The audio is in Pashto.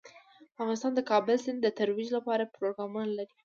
افغانستان د د کابل سیند د ترویج لپاره پروګرامونه لري.